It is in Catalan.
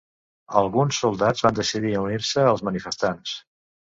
Alguns soldats van decidir unir-se als manifestants.